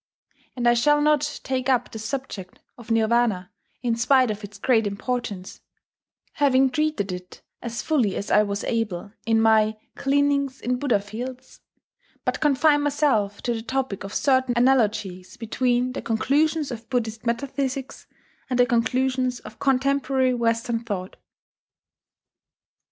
And I shall not take up the subject of Nirvana, in spite of its great importance, having treated it as fully as I was able in my Gleanings in Buddha Fields, but confine myself to the topic of certain analogies between the conclusions of Buddhist metaphysics and the conclusions of contemporary Western thought.